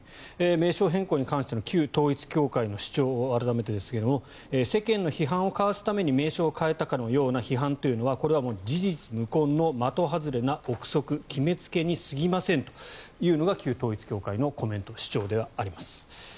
名称変更に関しての旧統一教会の主張を改めてですが世間の批判をかわすために名称を変えたかのような批判というのはこれは事実無根の的外れな臆測決めつけにすぎませんというのが旧統一教会のコメント主張ではあります。